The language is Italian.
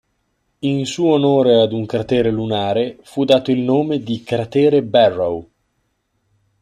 In suo onore ad un cratere lunare fu dato il nome di Cratere Barrow.